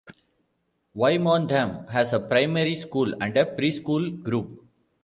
Wymondham has a primary school and a pre-school group.